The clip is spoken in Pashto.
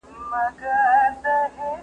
ایا کورني سوداګر ممیز ساتي؟